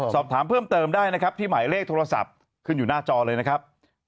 สอบถามเพิ่มเติมได้นะครับที่หมายเลขโทรศัพท์ขึ้นอยู่หน้าจอเลยนะครับ